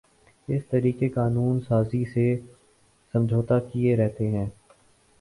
اس طریقِ قانون سازی سے سمجھوتاکیے رہتے ہیں